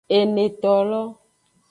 Enetolo.